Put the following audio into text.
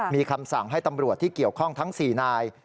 มีคำสั่งให้ตำรวจที่เกี่ยวข้องทั้ง๔นาย